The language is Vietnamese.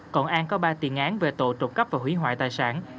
công an có ba tiền án về tội trộn cắp và hủy hoại tài sản